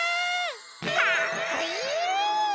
かっこいい！